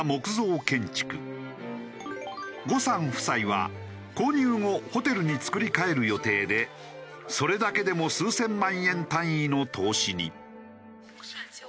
呉さん夫妻は購入後ホテルに造り替える予定でそれだけでも数千万円単位の投資に。